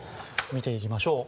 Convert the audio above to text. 見ていきましょう。